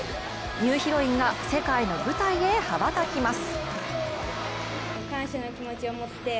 ニューヒロインが世界の舞台へ羽ばたきます。